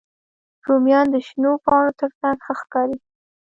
رومیان د شنو پاڼو تر څنګ ښه ښکاري